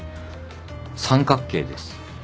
三角形です。